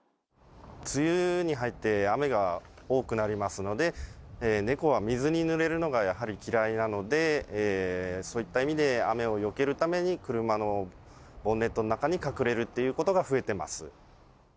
梅雨に入って、雨が多くなりますので、猫は水にぬれるのがやはり嫌いなので、そういった意味で雨をよけるために、車のボンネットの中に隠れるっていうことが増えてます。